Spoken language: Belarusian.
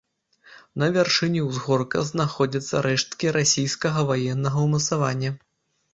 На вяршыні ўзгорка знаходзяцца рэшткі расійскага ваеннага ўмацавання.